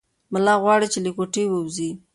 ملا غواړي چې له کوټې ووځي.